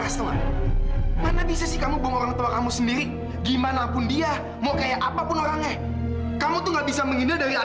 sampai jumpa di video selanjutnya